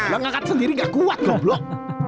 lah ngangkat sendiri nggak kuat goblok